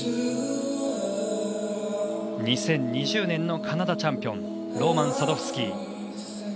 ２０２０年のカナダチャンピオンローマン・サドフスキー。